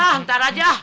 ah ntar aja